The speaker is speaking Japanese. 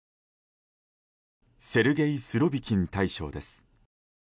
セルゲイ・スロビキン大将です。